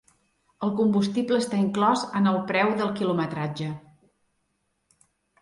El combustible està inclòs en el preu del quilometratge.